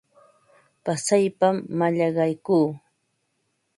Pasaypam mallaqaykuu.